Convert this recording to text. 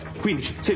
先生。